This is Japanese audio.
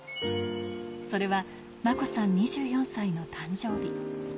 それは真子さん、２４歳の誕生日。